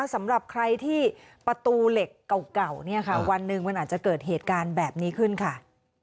สำหรับใครที่ประตูเหล็กเก่าเนี่ยค่ะวันหนึ่งมันอาจจะเกิดเหตุการณ์แบบนี้ขึ้นค่ะ